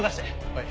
はい。